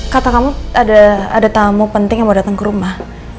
kata kamu ada tamu penting yang mau datang ke rumah